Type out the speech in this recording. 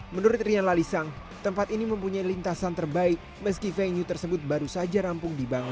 menurut rian lalisang tempat ini mempunyai lintasan terbaik meski venue tersebut baru saja rampung dibangun